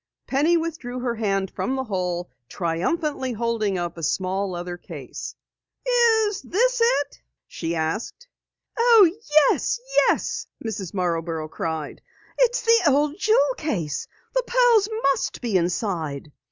Penny withdrew her hand from the hole, triumphantly holding up a small leather case. "This isn't it?" she asked. "Oh, yes, yes!" Mrs. Marborough cried. "It is the old jewel case. The pearls must be inside!"